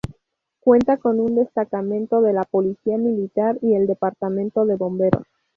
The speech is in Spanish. Cuenta con un destacamento de la policía militar y el Departamento de Bomberos.